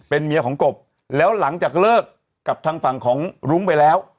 เมียของกบแล้วหลังจากเลิกกับทางฝั่งของรุ้งไปแล้ว